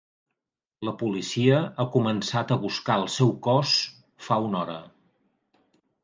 La policia ha començat a buscar el seu cos fa una hora.